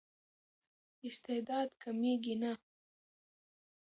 استعداد کمېږي نه.